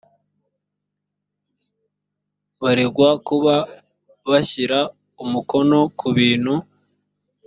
baregwa kuba bashyira umukono ku bintu